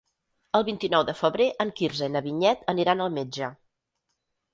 El vint-i-nou de febrer en Quirze i na Vinyet aniran al metge.